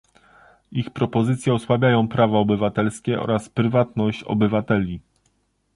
Ich propozycje osłabiają prawa obywatelskie oraz prywatność obywateli